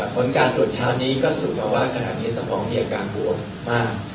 ผลการตรวจเช้านี้ก็สรุปแล้วว่าขณะนี้สมองมีอาการบวมมาก